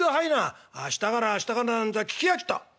「明日から明日からなんぞは聞き飽きた。